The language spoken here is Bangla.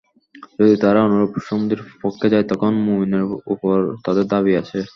যদি তারা অনুরূপ সন্ধির পক্ষে যায়, তখন মুমিনের ওপরও তাদের দাবি আছে।